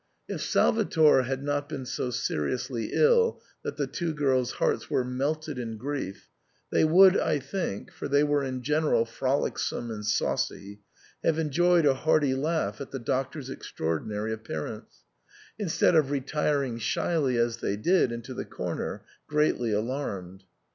If Salvator had not been so seriously ill that the two girls' hearts were melted in grief, they would, I think, for they were in general frolicsome and saucy, have enjoyed a hearty laugh at the Doctor's extraordinary appearance, instead of retiring shyly, as they did, into the corner, greatly alarmed.